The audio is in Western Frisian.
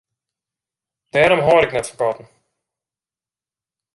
Dêrom hâld ik net fan katten.